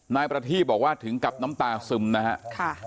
นายประทีบบอกว่าถึงกับน้ำตาซึมนะฮะ